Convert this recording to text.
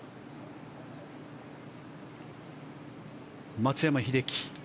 松山英樹